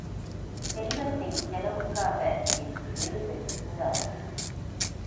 செல்வத்தைச் செலவுக்காக என்று தேடுதல் கூடாது.